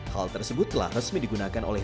hal tersebut telah resmi digunakan oleh